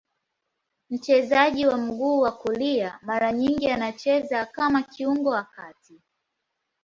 Mchezaji wa mguu ya kulia, mara nyingi anacheza kama kiungo wa kati.